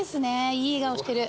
いい笑顔してる。